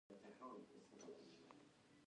د کوټې پر غولي به ورغړېد.